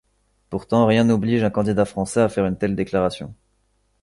Pourtant, rien n'oblige un candidat français à faire une telle déclaration.